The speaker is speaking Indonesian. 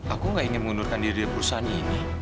aku nggak ingin mengundurkan diri di perusahaan ini